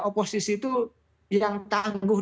oposisi itu yang tangguh